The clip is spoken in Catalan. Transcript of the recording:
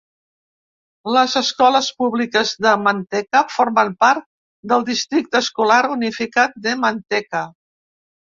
Les escoles públiques de Manteca formen part del districte escolar unificat de Manteca.